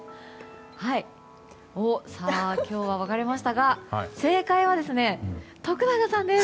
今日は分かれましたが正解は、徳永さんです！